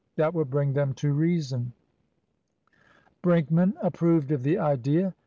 That will bring them to reason." Brinkman approved of the idea.